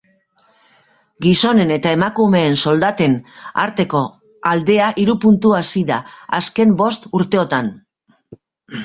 Gizonen eta emakumeen soldaten arteko aldea hiru puntu hazi da azken bost urteotan.